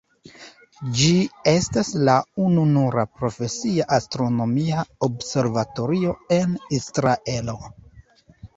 Ĝi estas la ununura profesia astronomia observatorio en Israelo.